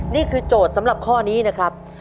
โจทย์สำหรับข้อนี้นะครับ